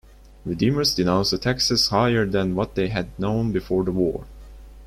Redeemers denounced taxes higher than what they had known before the war.